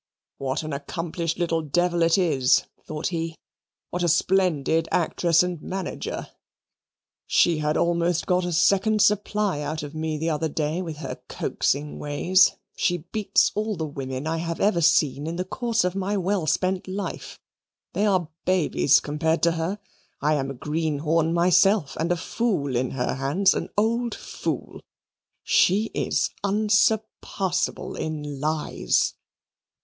"What an accomplished little devil it is!" thought he. "What a splendid actress and manager! She had almost got a second supply out of me the other day; with her coaxing ways. She beats all the women I have ever seen in the course of all my well spent life. They are babies compared to her. I am a greenhorn myself, and a fool in her hands an old fool. She is unsurpassable in lies."